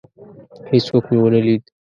هیڅوک مي ونه لید.